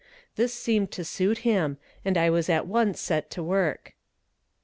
That seemed to suit him and I was at once set to work.